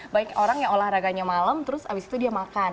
banyak orang yang olahraganya malam terus abis itu dia makan